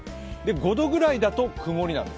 ５度ぐらいだと曇りなんです。